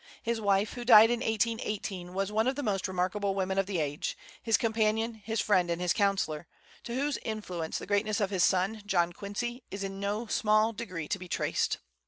His wife, who died in 1818, was one of the most remarkable women of the age, his companion, his friend, and his counsellor, to whose influence the greatness of his son, John Quincy, is in no small degree to be traced.